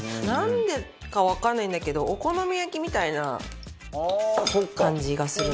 なんでかわかんないんだけどお好み焼きみたいな感じがするの。